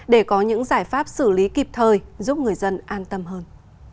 để có những giải pháp xử lý kịp thời giúp người dân an tâm hơn